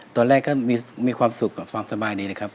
ตอนแรกก็มีความสุขกับความสบายดีเลยครับ